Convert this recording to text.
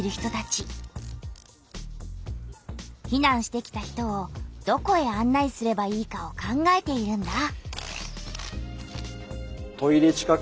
ひなんしてきた人をどこへあん内すればいいかを考えているんだ。